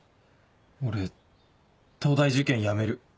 俺東大受験やめる。